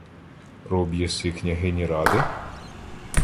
— Роб єси княгині Ради?